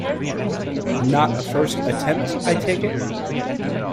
Not a first attempt, I take it?